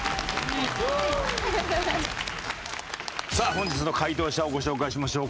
本日の解答者をご紹介しましょう。